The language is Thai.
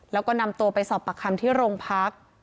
แล้วก็นำตัวไปสอบปากคำที่โรงพัก